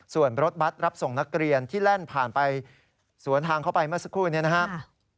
ส่วนรถบัตรรับส่งนักเรียนที่แล่นผ่านไปสวนทางเข้าไปเมื่อสักครู่นี้นะครับ